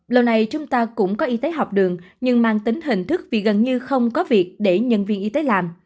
lâu nay chúng ta cũng có y tế học đường nhưng mang tính hình thức vì gần như không có việc để nhân viên y tế làm